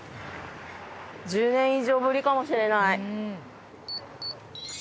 １０年以上ぶりかもしれない。